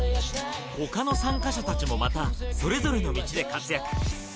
ほかの参加者たちもまた、それぞれの道で活躍。